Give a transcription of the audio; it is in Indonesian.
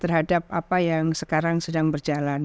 terhadap apa yang sekarang sedang berjalan